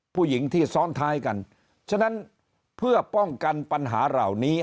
ผู้หญิงที่ซ้อนท้ายกันฉะนั้นเพื่อป้องกันปัญหาเหล่านี้